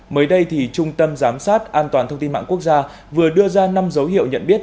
mới đây trung tâm giám sát an toàn thông tin mạng quốc gia vừa đưa ra năm dấu hiệu nhận biết